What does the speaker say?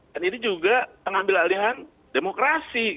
dan ini juga pengambil alihkan demokrasi